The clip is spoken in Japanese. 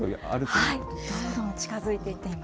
どんどん近づいていっています。